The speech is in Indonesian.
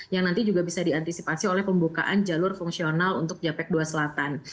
yang nanti juga bisa diantisipasi oleh pembukaan jalur fungsional untuk japek dua selatan